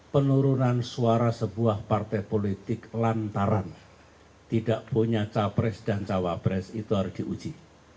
penurunan suara sebuah partai politik lantaran tidak punya capres dan cawapres itu harus diuji